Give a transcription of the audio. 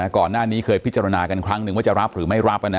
ก่อนหน้านี้เคยพิจารณากันครั้งนึงว่าจะรับหรือไม่รับ